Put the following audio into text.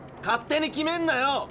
勝手に決めんなよ。